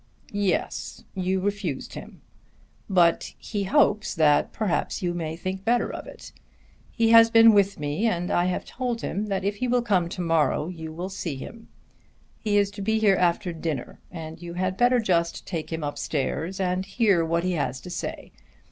"Yes, you refused him. But he hopes that perhaps you may think better of it. He has been with me and I have told him that if he will come to morrow you will see him. He is to be here after dinner and you had better just take him up stairs and hear what he has to say.